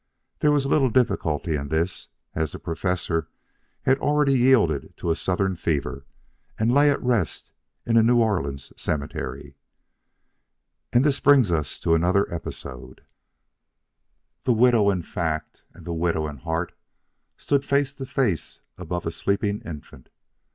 There was little difficulty in this, as the Professor had already yielded to a Southern fever and lay at rest in a New Orleans cemetery. And this brings us to another episode. The widow in fact and the widow in heart stood face to face above a sleeping infant.